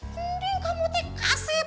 mending kamu tuh kasih